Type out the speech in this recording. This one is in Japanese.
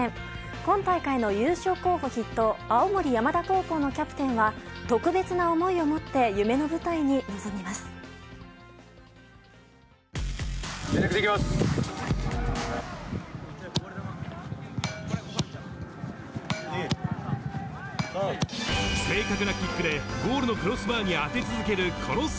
今大会の優勝候補筆頭、青森山田高校のキャプテンは、特別な思いを持って夢の舞台に臨全力でいきます！